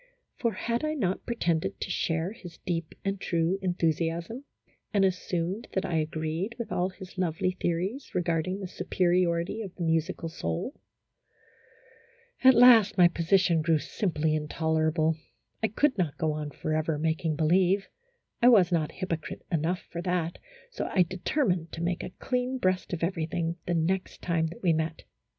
For, had I not pretended to share his deep and true enthusiasm, and assumed that I agreed with all his lovely theories regarding the superiority of the musical soul ? At last my position grew simply intolerable. I could not go on forever making believe, I was not hypocrite enough for that, so I determined to make a clean breast of everything the next time that we met.